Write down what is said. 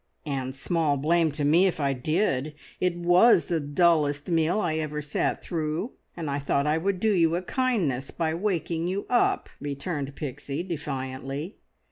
"And small blame to me if I did! It was the dullest meal I ever sat through, and I thought I would do you a kindness by waking you up!" returned Pixie defiantly.